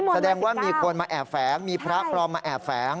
แสดงว่ามีคนมาแอบแฝงมีพระปลอมมาแอบแฝง